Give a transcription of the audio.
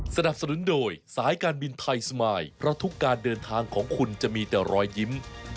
สนับสนุนโดยสายการบินไทยสมายเพราะทุกการเดินทางของคุณจะมีแต่รอยยิ้ม